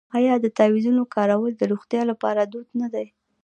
آیا د تعویذونو کارول د روغتیا لپاره دود نه دی؟